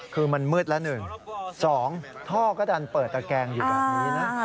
คือมันมืดแล้ว๑๒ท่อก็ดันเปิดตะแกงอยู่แบบนี้นะ